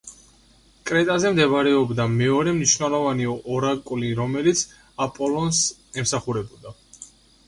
კრეტაზე მდებარეობდა მეორე მნიშვნელოვანი ორაკული, რომელიც აპოლონს ემსახურებოდა.